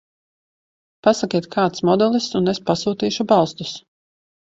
Pasakiet kāds modelis un es pasūtīšu balstus.